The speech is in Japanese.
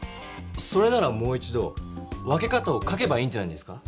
それならもう一度分け方を書けばいいんじゃないですか？